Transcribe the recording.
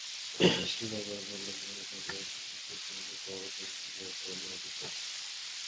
Speaker বরাবর লেখা পদত্যাগ পত্রটি লতিফ সিদ্দিকী পড়ে শোনানোর অনুমতি চান।